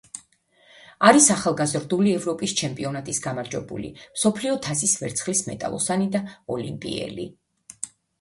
არის ახალგაზრდული ევროპის ჩემპიონატის გამარჯვებული, მსოფლიო თასის ვერცხლის მედალოსანი და ოლიმპიელი.